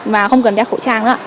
và không cần đeo khẩu trang nữa